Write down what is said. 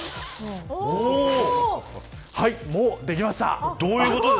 はい、もうできました。